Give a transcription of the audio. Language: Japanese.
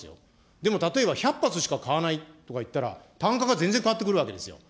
でも例えば、１００発しか買わないとかいったら、単価が全然変わってくるわけですよ。